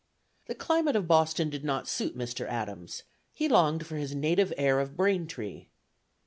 The climate of Boston did not suit Mr. Adams: he longed for his native air of Braintree.